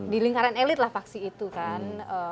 di lingkaran elit lah paksi itu kan